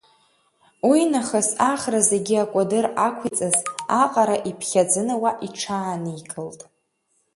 Уи нахыс ахра зегьы акәадыр ақәиҵаз аҟара иԥхьаӡаны уа иҽааникылт.